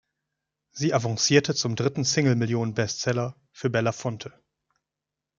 Sie avancierte zum dritten Single-Millionenseller für Belafonte.